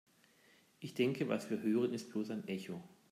Ich denke, was wir hören, ist bloß ein Echo.